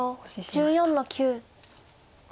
白１４の九。